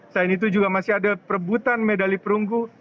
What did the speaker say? selain itu juga masih ada perebutan medali perunggu